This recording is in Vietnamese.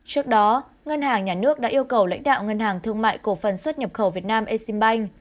trước đó ngân hàng nhà nước đã yêu cầu lãnh đạo ngân hàng thương mại cổ phần xuất nhập khẩu việt nam exim bank